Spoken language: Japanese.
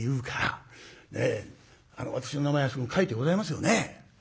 私の名前あそこに書いてございますよね？